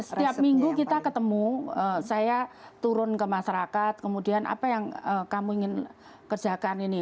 setiap minggu kita ketemu saya turun ke masyarakat kemudian apa yang kamu ingin kerjakan ini